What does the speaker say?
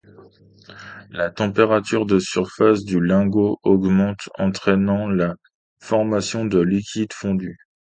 La température de surface du lingot augmente entrainant la formation de liquide fondu.